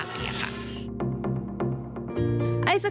ไอศครีมเหล่านี้กำลังอยู่ระหว่างการจดศิษย์ธิบัตรค่ะ